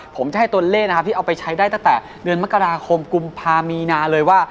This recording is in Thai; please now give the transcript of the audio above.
ผมจะให้ตัวเลขนะครับที่เอาไปใช้ได้ตั้งแต่เดือนมกราคมกุมภามีนาเลยว่า